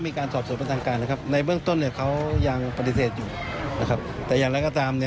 มีการไม้งานนัดการมอบตัวที่จังหวัดกเกลาหลี